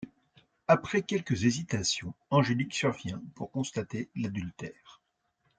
Après quelques hésitations, Angélique survient pour constater l'adultère.